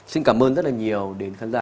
xin cảm ơn rất là nhiều đến khán giả